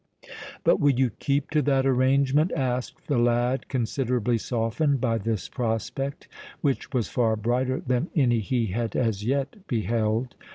"But will you keep to that arrangement?" asked the lad, considerably softened by this prospect, which was far brighter than any he had as yet beheld.